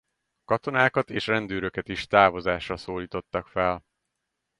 Katonákat és rendőröket is távozásra szólítottak fel.